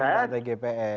karena tidak ada gpr